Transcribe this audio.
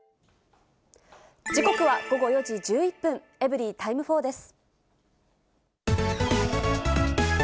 時刻は午後４時１１分、エブリィタイム４です。